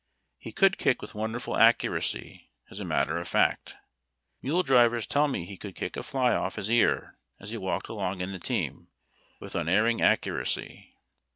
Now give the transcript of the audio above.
He could kick with wonderful accuracy, as a matter of fact. Mule drivers tell me he could kick a fly off his ear, as he walked along in the team, with unerring accuracy.